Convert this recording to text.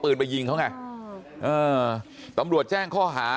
บอกแล้วบอกแล้วบอกแล้วบอกแล้วบอกแล้วบอกแล้ว